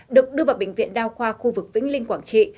được đưa vào bệnh viện đa khoa khu vực vĩnh linh quảng trị